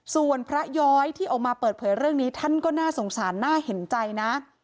ส่วนพระย้อยที่ออกมาเปิดเผยเรื่องนี้ท่านก็น่าสงสารน่าเห็นใจนะ